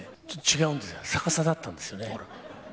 ちょっと違うんですよ、逆さだったんですね。